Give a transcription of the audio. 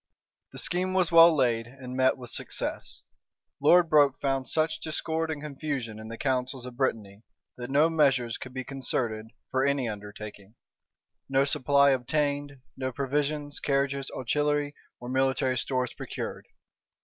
The scheme was well laid, and met with success. Lord Broke found such discord and confusion in the counsels of Brittany, that no measures could be concerted for any undertaking; no supply obtained; no provisions, carriages, artillery, or military stores procured.